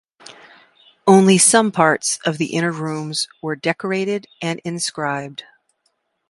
Only some parts of the inner rooms were decorated and inscribed.